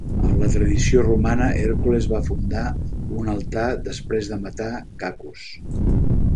En la tradició romana, Hèrcules va fundar un altar després de matar Cacus.